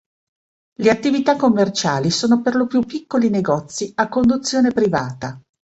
Le attività commerciali sono perlopiù piccoli negozi a conduzione privata.